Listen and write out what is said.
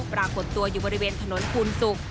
ปรากฏตัวอยู่บริเวณถนนภูนศุกร์